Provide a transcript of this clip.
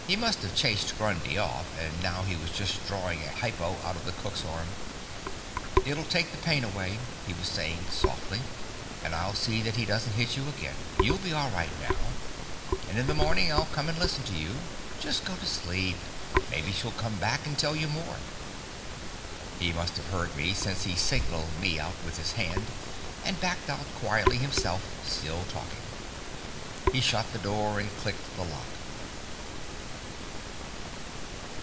He must have chased Grundy off, and now he was just drawing a hypo out of the cook's arm. "It'll take the pain away," he was saying softly. "And I'll see that he doesn't hit you again. You'll be all right, now. And in the morning, I'll come and listen to you. Just go to sleep. Maybe she'll come back and tell you more." He must have heard me, since he signalled me out with his hand, and backed out quietly himself, still talking. He shut the door, and clicked the lock.